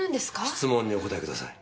質問にお答えください。